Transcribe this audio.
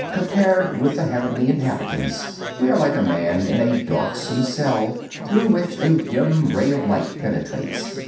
Compared with the heavenly inhabitants, we are like a man in a darksome cell through which a dim ray of light penetrates.